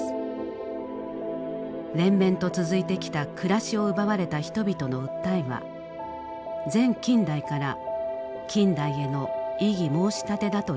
連綿と続いてきた暮らしを奪われた人々の訴えは前近代から近代への異議申し立てだといいます。